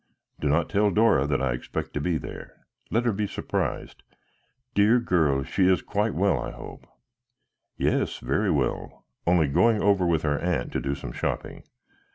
"Do not tell Dora that I expect to be there; let her be surprised. Dear girl, she is quite well, I hope?" "Yes, very well; only going over with her aunt to do some shopping.